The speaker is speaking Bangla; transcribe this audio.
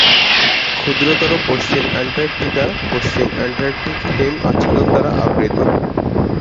ক্ষুদ্রতর পশ্চিম অ্যান্টার্কটিকা পশ্চিম অ্যান্টার্কটিক হিম আচ্ছাদন দ্বারা আবৃত।